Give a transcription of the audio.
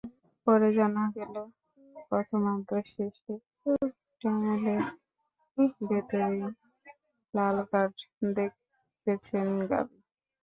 পরে জানা গেল, প্রথমার্ধ শেষে টানেলের ভেতরেই লাল কার্ড দেখেছেন গাবি।